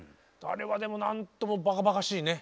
あれはでも何ともバカバカしいね。